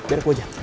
biar aku aja